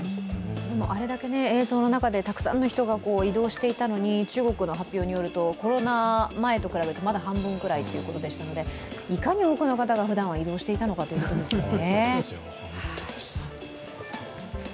でも、あれだけ映像の中でたくさんの人が移動していたのに、中国の発表によるとコロナ前と比べてまだ半分ぐらいということでしたのでいかに多くの方がふだんは移動していたのかということですね。